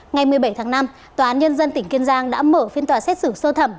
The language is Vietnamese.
ngày một mươi bảy tháng năm tòa án nhân dân tỉnh kiên giang đã mở phiên tòa xét xử sơ thẩm